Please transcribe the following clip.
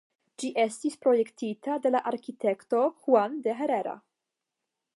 Ĝi estis projektita de la arkitekto Juan de Herrera.